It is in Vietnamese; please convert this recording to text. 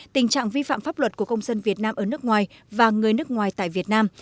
tình trạng vi phạm pháp luật của công dân việt nam ở nước ngoài và người nước ngoài tại việt nam